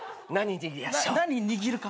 何握るか。